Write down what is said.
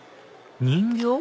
人形？